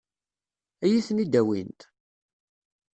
Ad iyi-ten-id-awint?